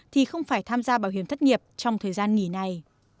thì không phải tham gia bảo hiểm thất nghiệp trong thời gian nghỉ này